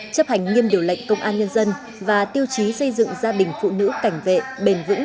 chấp hành nghiêm điều lệnh công an nhân dân và tiêu chí xây dựng gia đình phụ nữ cảnh vệ bền vững